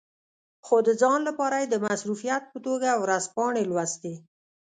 خو د ځان لپاره یې د مصروفیت په توګه ورځپاڼې لوستې.